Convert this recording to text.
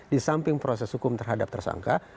di samping proses hukum terhadap tersangka